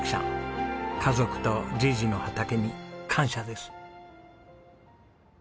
家族とじぃじの畑に感謝です。